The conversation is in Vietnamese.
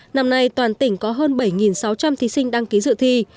năm nay toàn tỉnh có hơn bảy sáu trăm linh thí sinh đăng ký dự thi